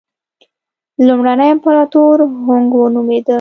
لومړنی امپراتور هونګ وو نومېده.